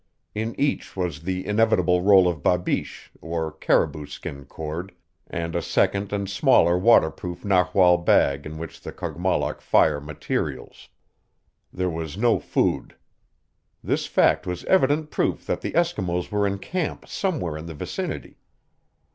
In each was the inevitable roll of babiche, or caribou skin cord, and a second and smaller waterproof narwhal bag in which were the Kogmollock fire materials. There was no food. This fact was evident proof that the Eskimos were in camp somewhere in the vicinity.